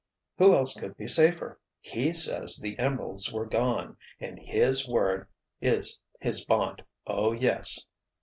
"Who else could be safer? He says the emeralds were gone and _his word is his bond! Oh, yes!